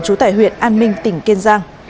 chủ tải huyện an minh tỉnh kiên giang